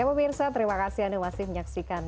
ya pak mirsa terima kasih anda masih menyaksikan